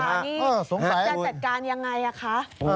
จะจัดการยังไงอะคะ